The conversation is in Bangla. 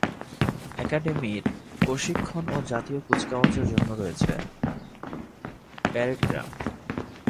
একাডেমির প্রশিক্ষণ ও জাতীয় কুচকাওয়াজের জন্য রয়েছে প্যরেড গ্রাউন্ড।